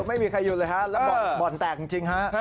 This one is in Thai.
ไม่มีใครหยุดเลยครับแล้วบ่อนแตกจริงครับ